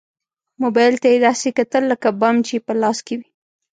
موبايل ته يې داسې کتل لکه بم چې يې په لاس کې وي.